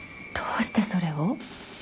どうしてそれを？